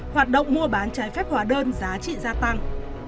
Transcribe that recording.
hoạt động mua bán trái phép hóa đơn giá trị gia tăng